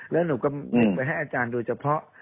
แล้วหนูก็เก็บไว้ให้อาจารย์ดูเฉพาะ